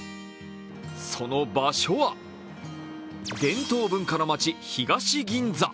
その場所は伝統文化の街・東銀座。